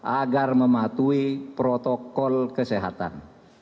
agar mematuhi protokol kesehatan